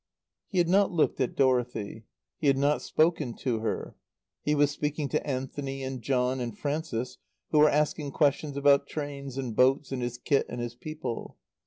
He had not looked at Dorothy. He had not spoken to her. He was speaking to Anthony and John and Frances who were asking questions about trains and boats and his kit and his people.